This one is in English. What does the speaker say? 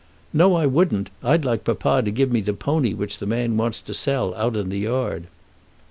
"No, I wouldn't. I'd like papa to give me the pony which the man wants to sell out in the yard."